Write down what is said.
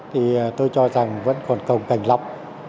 thì tôi cho rằng vẫn còn cầu cành lọc